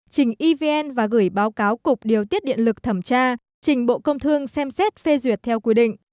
trình evn và gửi báo cáo cục điều tiết điện lực thẩm tra trình bộ công thương xem xét phê duyệt theo quy định